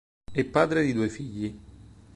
È padre di due figli.